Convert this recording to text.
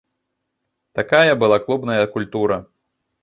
Такая была клубная культура.